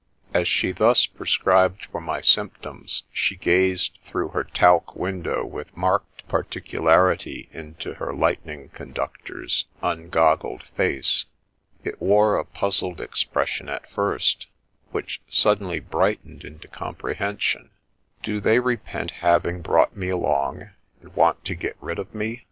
As she thus prescribed for my symptoms, she gazed through her talc window with marked par ticularity into her " Lightning Conductor's " un goggled face. It wore a puzzled expression at first, which suddenly brightened into comprehension. " Do they repent having brought me along, and want to get rid of me